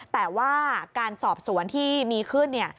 แต่ว่าการสอบสวนที่มีขึ้น